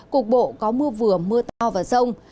cục bộ có mưa vừa mưa to và rông